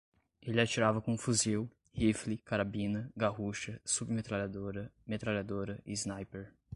Ele atirava com um fuzil, rifle, carabina, garrucha, submetralhadora, metralhadora e sniper